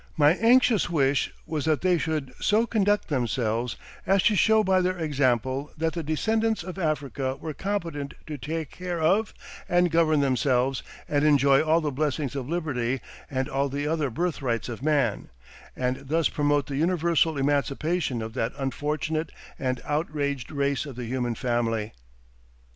My anxious wish was that they should so conduct themselves as to show by their example that the descendants of Africa were competent to take care of and govern themselves, and enjoy all the blessings of liberty and all the other birthrights of man, and thus promote the universal emancipation of that unfortunate and outraged race of the human family."